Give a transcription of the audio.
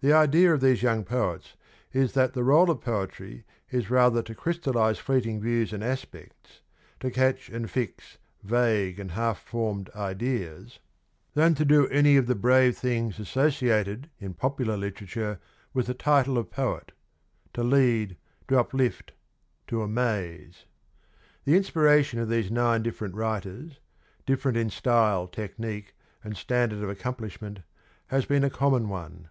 The idea of these young poets is that the role of poetry is rather to crystalise fleeting views and aspects, to catch and fix vague and half formed ideas, than to do any of the brave things associated in popular literature with the title of poet — to lead, to uplift, to amaze. The inspiration of these nine different writers — different in style, technique, and standard of accom plishment — has been a common one.